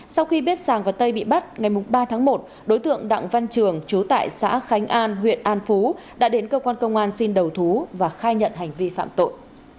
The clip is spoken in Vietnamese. sau khi biết sàng và tây bị bắt ngày ba tháng một đối tượng đặng văn trường chú tại xã khánh an huyện an phú đã đến cơ quan công an xin đầu thú và khai nhận hành vi phạm tội